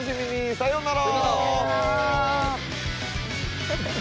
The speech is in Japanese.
さようなら。